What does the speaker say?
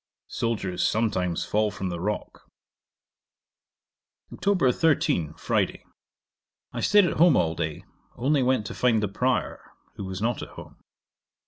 Soldiers sometimes fall from the rock. 'Oct. 13. Friday. I staid at home all day, only went to find the Prior, who was not at home.